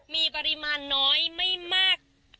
มีปริมาณน้อยไม่มาก